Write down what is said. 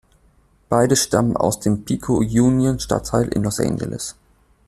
Beide stammen aus dem Pico-Union-Stadtteil in Los Angeles.